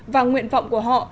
và nguyện vọng của họ